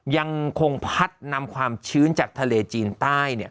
ยังคงพัดนำความชื้นจากทะเลจีนใต้